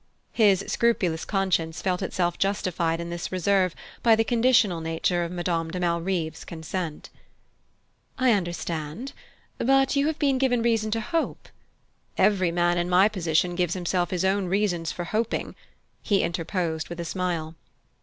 His scrupulous conscience felt itself justified in this reserve by the conditional nature of Madame de Malrive's consent. "I understand; but you have been given reason to hope " "Every man in my position gives himself his own reasons for hoping," he interposed with a smile.